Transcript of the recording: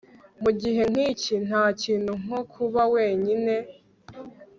mugihe nkiki, ntakintu nko kuba wenyine